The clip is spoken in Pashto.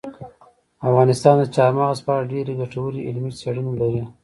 افغانستان د چار مغز په اړه ډېرې ګټورې علمي څېړنې لري.